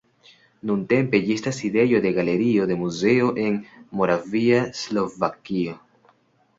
Nuntempe ĝi estas sidejo de Galerio de muzeo en Moravia Slovakio.